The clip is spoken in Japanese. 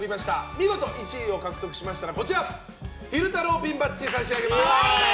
見事、１位を獲得しましたら昼太郎ピンバッジを差し上げます。